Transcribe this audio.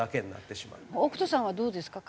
北斗さんはどうですか？